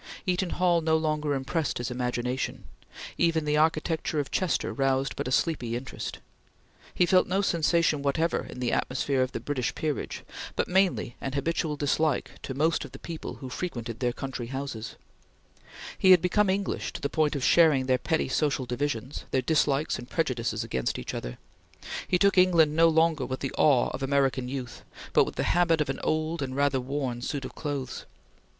Eaton Hall no longer impressed his imagination; even the architecture of Chester roused but a sleepy interest; he felt no sensation whatever in the atmosphere of the British peerage, but mainly an habitual dislike to most of the people who frequented their country houses; he had become English to the point of sharing their petty social divisions, their dislikes and prejudices against each other; he took England no longer with the awe of American youth, but with the habit of an old and rather worn suit of clothes.